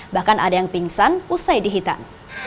bahkan ada yang pingsan usai dihitan